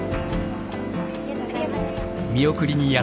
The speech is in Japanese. ありがとうございます。